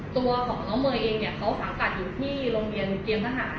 ตัวของน้องเมย์เองเนี่ยเขาสังกัดอยู่ที่โรงเรียนเตรียมทหาร